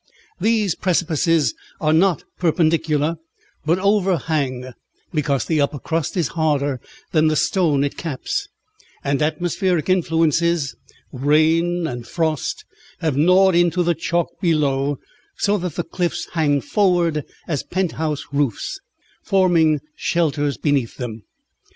These precipices are not perpendicular, but overhang, because the upper crust is harder than the stone it caps; and atmospheric influences, rain and frost, have gnawed into the chalk below, so that the cliffs hang forward as penthouse roofs, forming shelters beneath them.